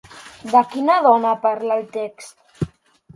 De quina dona parla el text?